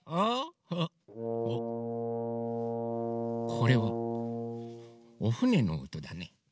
これはおふねのおとだね。